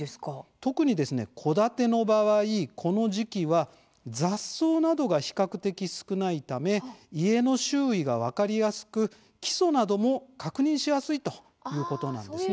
特にですね戸建ての場合、この時期は雑草などが比較的少ないため家の周囲が分かりやすく基礎なども確認しやすいということなんですね。